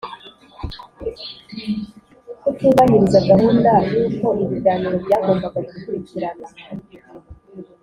Kutubahiriza gahunda y uko ibiganiro byagombaga gukurikirana